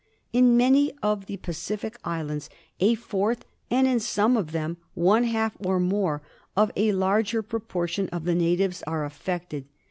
In many of the Pacific Islands a fourth, and in some of them one half, or even a larger proportion of the natives are affected.